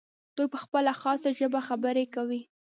دوی په خپله خاصه ژبه خبرې کوي.